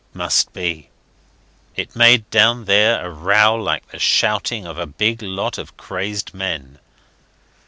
Must be. It made down there a row like the shouting of a big lot of crazed men.